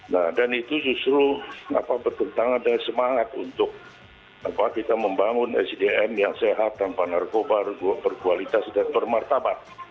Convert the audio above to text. nah dan itu justru bertentangan dengan semangat untuk kita membangun sdm yang sehat tanpa narkoba berkualitas dan bermartabat